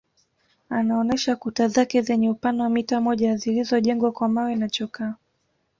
Anaonesha kuta zake zenye upana wa mita moja zilizojengwa kwa mawe na chokaa